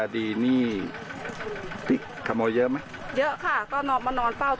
ต้องนอนเป้า